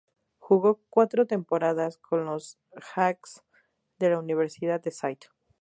Jugó cuatro temporadas con los "Hawks" de la Universidad de St.